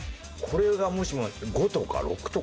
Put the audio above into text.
これがもしも。